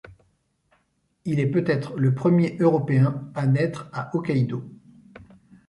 Il est peut-être le premier européen à naître à Hokkaido.